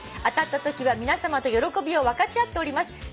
「当たったときは皆さまと喜びを分かち合っております」